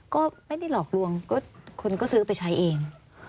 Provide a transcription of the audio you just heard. ก็ไม่ได้หลอกลวงก็คนก็ซื้อไปใช้เอง